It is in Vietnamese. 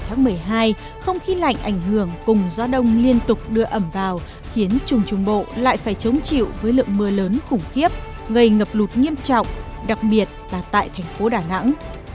những ngày đầu tháng một mươi hai không khí lạnh ảnh hưởng cùng gió đông liên tục đưa ẩm vào khiến trùng trùng bộ lại phải chống chịu với lượng mưa lớn khủng khiếp gây ngập lụt nghiêm trọng đặc biệt là tại thành phố đà nẵng